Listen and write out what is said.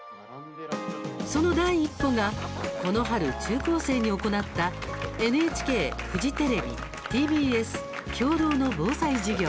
その第一歩が、この春中高生に行ったＮＨＫ、フジテレビＴＢＳ共同の防災授業。